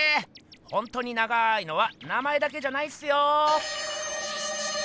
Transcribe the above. ほんとに長いのは名前だけじゃないっすよ。